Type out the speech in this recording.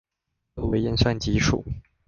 做為驗算基礎